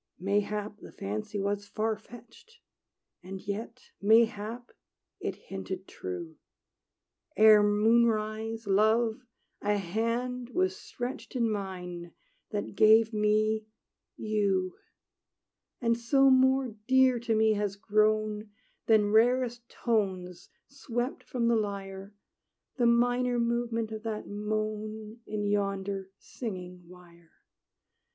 Mayhap the fancy was far fetched; And yet, mayhap, it hinted true. Ere moonrise, Love, a hand was stretched In mine, that gave me you! And so more dear to me has grown, Than rarest tones swept from the lyre, The minor movement of that moan In yonder singing wire.